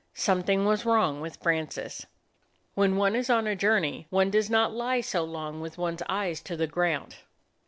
Something was wrong with Francis. When one is on a journey one does not lie so long with one's eyes to the ground.